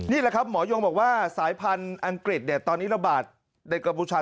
นี่แหละครับหมอยงบอกว่าสายพันธุ์อังกฤษตอนนี้ระบาดในกัมพูชา